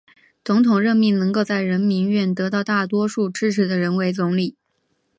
总统任命能够在人民院得到大多数支持的人为总理。